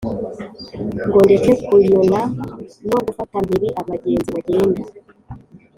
ngo ndeke kunyona no gufata mpiri abagenzi bagenda